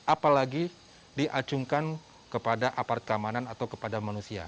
apalagi diajungkan kepada apart keamanan atau kepada manusia